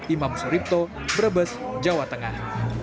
imam suripto brebes jawa tengah